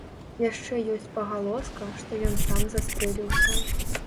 Яшчэ ёсць пагалоска, што ён сам застрэліўся.